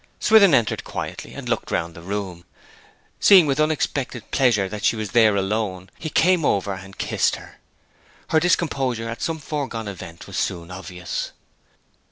Swithin entered quietly, and looked round the room. Seeing with unexpected pleasure that she was there alone, he came over and kissed her. Her discomposure at some foregone event was soon obvious.